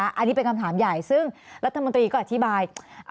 อันนี้เป็นคำถามใหญ่ซึ่งรัฐมนตรีก็อธิบาย